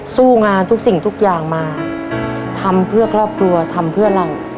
สู้งานทุกสิ่งทุกอย่างมาทำเพื่อครอบครัวทำเพื่อเรา